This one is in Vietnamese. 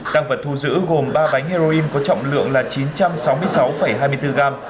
tăng vật thu giữ gồm ba bánh heroin có trọng lượng là chín trăm sáu mươi sáu hai mươi bốn g